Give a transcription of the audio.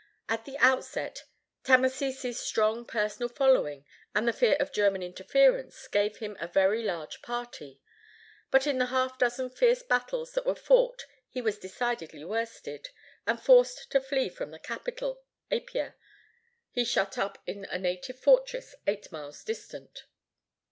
At the outset, Tamasese's strong personal following, and the fear of German interference, gave him a very large party. But in the half dozen fierce battles that were fought he was decidedly worsted, and, forced to flee from the capital, Apia, he shut himself up in a native fortress eight miles distant.